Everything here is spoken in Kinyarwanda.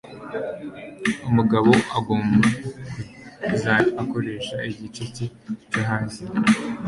umugabo agomba kuzajya akoresha igice cye cyo hasi